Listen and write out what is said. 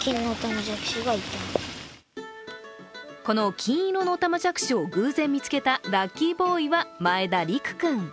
この金色のおたまじゃくしを偶然見つけた、ラッキーボーイは前田陸君。